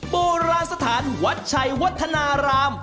โบราณสถานวัดชัยวัฒนาราม